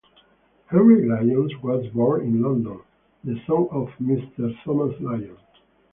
Henry Lyons was born in London, the son of General Thomas Lyons.